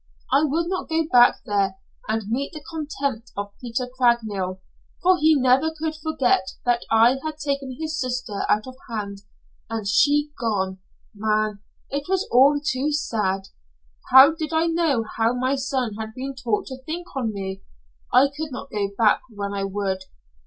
I would not go back there and meet the contempt of Peter Craigmile, for he never could forget that I had taken his sister out of hand, and she gone man it was all too sad. How did I know how my son had been taught to think on me? I could not go back when I would.